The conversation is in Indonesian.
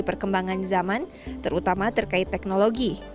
ketema dalam bacaan terutama terkait teknologi